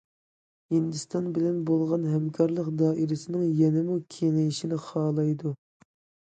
ھىندىستان بىلەن بولغان ھەمكارلىق دائىرىسىنىڭ يەنىمۇ كېڭىيىشىنى خالايدۇ.